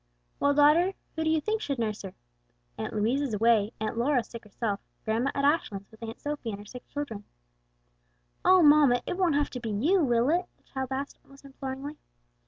"Well, daughter, who do you think should nurse her? Aunt Louise is away, Aunt Lora sick herself, grandma at Ashlands with Aunt Sophie and her sick children." "Oh, mamma, it won't have to be you, will it?" the child asked almost imploringly.